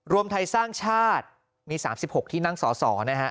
รวมไทยสร้างชาติมี๓๖ที่นั่งสอสอนะฮะ